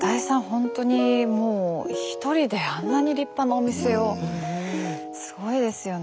ほんとにもう１人であんなに立派なお店をすごいですよね。